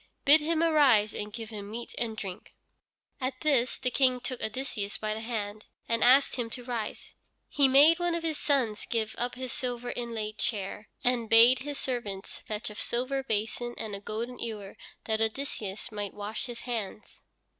Bid him arise, and give him meat and drink." At this the King took Odysseus by the hand and asked him to rise. He made one of his sons give up his silver inlaid chair, and bade his servants fetch a silver basin and a golden ewer that Odysseus might wash his hands.